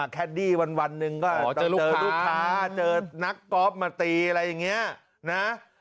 แคดดี้วันหนึ่งก็เจอลูกค้าเจอนักกอล์ฟมาตีอะไรอย่างนี้นะ